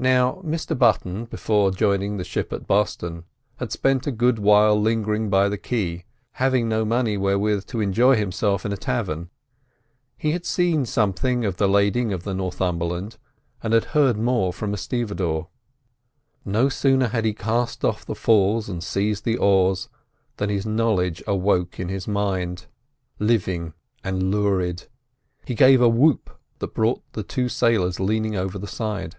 Now Mr Button, before joining the ship at Boston, had spent a good while lingering by the quay, having no money wherewith to enjoy himself in a tavern. He had seen something of the lading of the Northumberland, and heard more from a stevedore. No sooner had he cast off the falls and seized the oars, than his knowledge awoke in his mind, living and lurid. He gave a whoop that brought the two sailors leaning over the side.